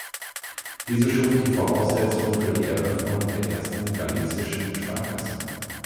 Diese schuf die Voraussetzung für die Eröffnung der ersten galizischen Sparkasse.